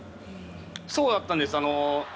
そうだったんです。